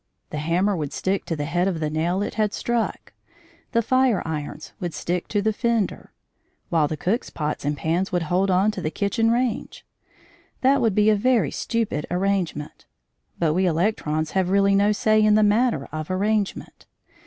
The hammer would stick to the head of the nail it had struck, the fire irons would stick to the fender, while the cook's pots and pans would hold on to the kitchen range. That would be a very stupid arrangement, but we electrons have really no say in the matter of arrangement.